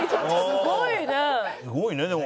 すごいねでも。